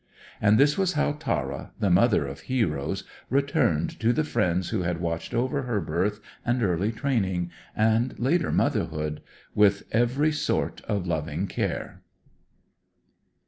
And this was how Tara, the mother of heroes, returned to the friends who had watched over her birth and early training, and later motherhood, with every sort of loving care.